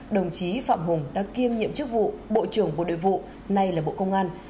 đồng chí phạm hùng đã kiêm nhiệm chức vụ bộ trưởng bộ đội vụ nay là bộ công an